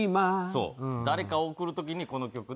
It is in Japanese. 誰かを送る時にこの曲で。